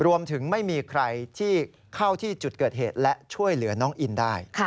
รวมถึงไม่มีใครที่เข้าที่จุดเกิดเหตุและช่วยเหลือน้องอินได้